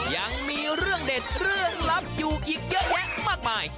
ยังมีเรื่องเด็ดเรื่องลับอยู่อีกเยอะแยะมากมาย